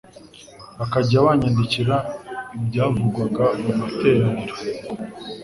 bakajya banyandikira ibyavugwaga mu materaniro.